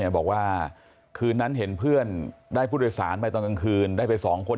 บอกว่าคืนนั้นเห็นเพื่อนได้ผู้โดยสารไปตอนกลางคืนได้ไป๒คน